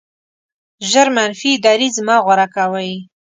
ژر منفي دریځ مه غوره کوئ.